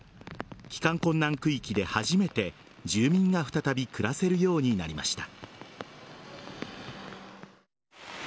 帰還困難区域で初めて住民が再び暮らせるようになりました。